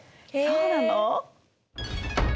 そうなの！？